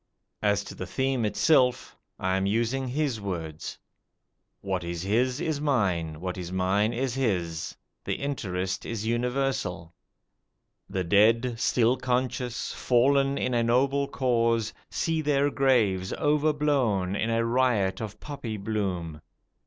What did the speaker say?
As to the theme itself I am using his words: what is his is mine; what is mine is his the interest is universal. The dead, still conscious, fallen in a noble cause, see their graves overblown in a riot of poppy bloom.